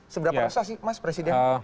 seberapa susah sih mas presiden